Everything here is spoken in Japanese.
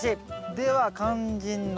では肝心の。